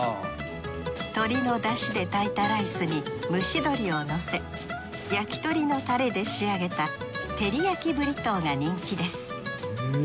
鶏のだしで炊いたライスに蒸し鶏をのせ焼き鳥のタレで仕上げたテリヤキブリトーが人気です。